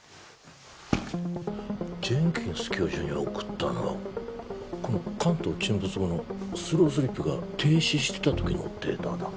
ジェンキンス教授に送ったのはこの関東沈没後のスロースリップが停止してた時のデータだ